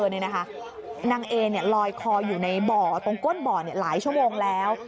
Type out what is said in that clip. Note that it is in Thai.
นางเอลอยคออยู่ในบ่อตรงก้นบ่อหลายชั่วโมงแล้ว